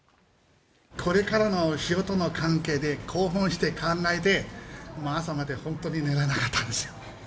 これからの仕事の関係で、興奮して考えて、もう朝まで本当に寝られなかったんですよ。